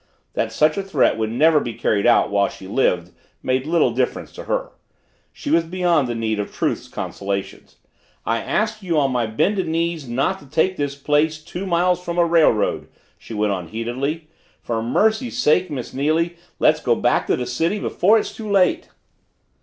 That such a threat would never be carried out while she lived made little difference to her she was beyond the need of Truth's consolations. "I asked you on my bended knees not to take this place two miles from a railroad," she went on heatedly. "For mercy's sake, Miss Neily, let's go back to the city before it's too late!"